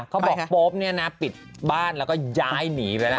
เขาบอกโป๊ปเนี่ยนะปิดบ้านแล้วก็ย้ายหนีไปแล้ว